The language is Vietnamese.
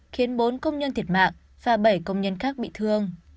khiến bốn công nhân thiệt mạng và bảy công nhân khác bị thương